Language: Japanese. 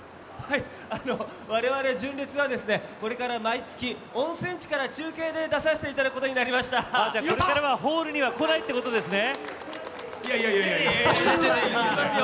我々、純烈はこれから毎月温泉地から中継で出させていただくことになりました。ホールには来ないっていうことですね。